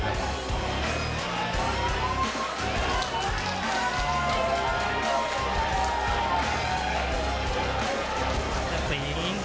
รอคะแนนจากอาจารย์สมาร์ทจันทร์คล้อยสักครู่หนึ่งนะครับ